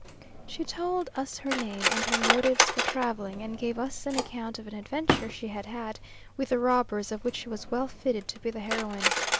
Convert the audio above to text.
She told us her name, and her motives for travelling, and gave us an account of an adventure she had had with the robbers, of which she was well fitted to be the heroine.